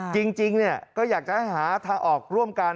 จริงก็อยากจะให้หาทางออกร่วมกัน